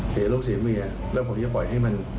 เสียลูกเสียเมียแล้วผมจะปล่อยให้มัน